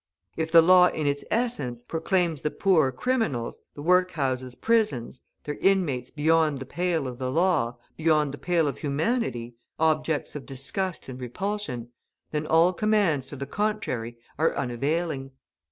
If the law in its essence proclaims the poor criminals, the workhouses prisons, their inmates beyond the pale of the law, beyond the pale of humanity, objects of disgust and repulsion, then all commands to the contrary are unavailing.